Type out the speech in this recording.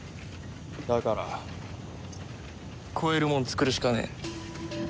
だから超えるもん作るしかねえ。